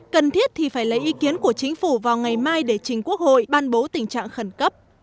cần thiết thì phải lấy ý kiến của chính phủ vào ngày mai để chính quốc hội ban bố tình trạng khẩn cấp